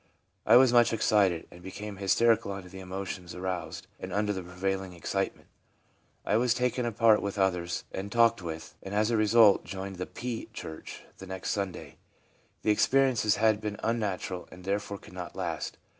I was much excited, and became hysterical under the emotions aroused and under the prevailing excitement. ... I was taken apart with others and talked with, and as a result joined the P church the next Sunday. ... The experiences had been un natural, and therefore could not last.